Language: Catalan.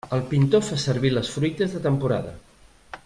El pintor fa servir les fruites de temporada.